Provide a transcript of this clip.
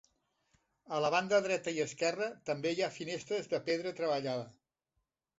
A la banda dreta i esquerra també hi ha finestres de pedra treballada.